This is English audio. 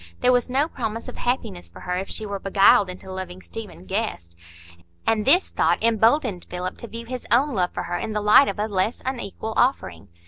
There was no promise of happiness for her if she were beguiled into loving Stephen Guest; and this thought emboldened Philip to view his own love for her in the light of a less unequal offering.